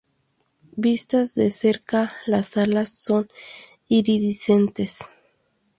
Vistas de cerca, las alas son iridiscentes.